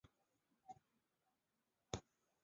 该舰内都市也成为日后宇宙移民计画的范本。